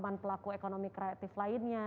dan juga pelaku ekonomi kreatif lainnya